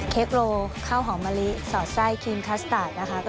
เค้กโล่ข้าวหอมะลิสระไส้ครีมคลัสตาร์ด